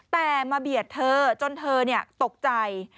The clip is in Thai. แต่มาเบียดเธอจนเธอตกใจ